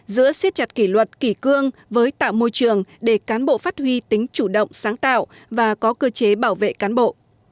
giữa xiết chặt kỷ luật kỷ cương với tạo môi trường để cán bộ phát huy tính chủ động sáng tạo và có cơ chế bảo vệ cán bộ